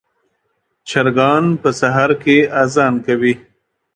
چرګان په سهار کې اذان کوي.